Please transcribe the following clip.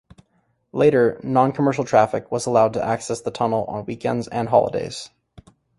Later, non-commercial traffic was allowed to access the tunnel on weekends and holidays.